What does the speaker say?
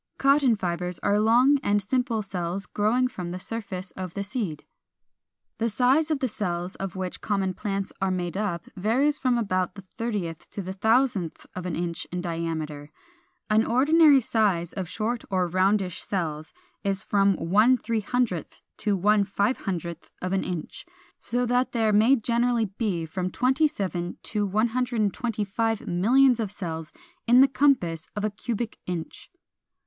Cotton fibres are long and simple cells growing from the surface of the seed. 404. The size of the cells of which common plants are made up varies from about the thirtieth to the thousandth of an inch in diameter. An ordinary size of short or roundish cells is from 1/300 to 1/500 of an inch; so that there may generally be from 27 to 125 millions of cells in the compass of a cubic inch!